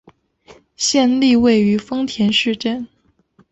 县莅位于丰田市镇。